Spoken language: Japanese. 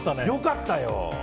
よかったよ。